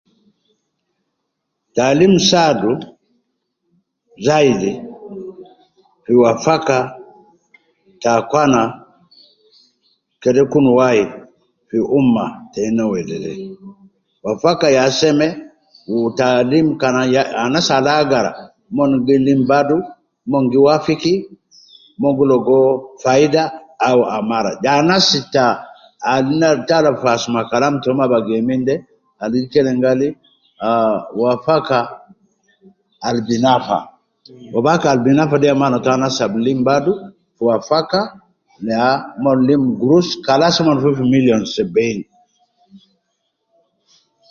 Taalim saadu ,zaidi ,fi wafaka, te akwana, kede kun wai fi umma tena wedede, wafaka ya seme ,wu taalim kan ay anas al agara mon gi lim badu, mon gi wafiki, mon gi logo faida au amara ,anasi ta alim, na tala fi asma kalam tomon abagi youm inde, ali gi kelem gali ah wafaka ,al bi nafa, wafaka al bi nafa de ya manato anas ab lim badu fu wafaka, ya mon lim gurus kalas mon fifi million sebein